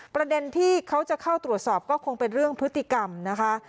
ประเด็นที่เขาจะเข้าตรวจสอบก็คงเป็นเรื่องพฤติกรรมนะคะ